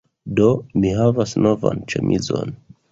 Do, mi havas novan ĉemizon